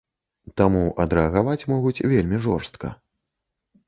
Таму адрэагаваць могуць вельмі жорстка.